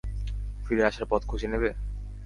ফিরে আসার পথ খুঁজে নেবে?